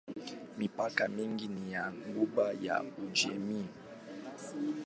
Mipaka mingine ni ya Ghuba ya Uajemi.